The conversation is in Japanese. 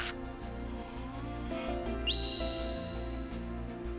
へえ。